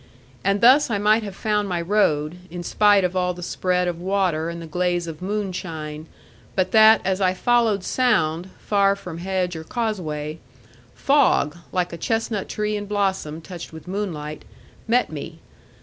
And thus I might have found my road, in spite of all the spread of water, and the glaze of moonshine; but that, as I followed sound (far from hedge or causeway), fog (like a chestnut tree in blossom, touched with moonlight) met me.